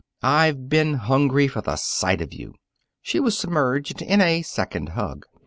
"I've been hungry for a sight of you!" She was submerged in a second hug.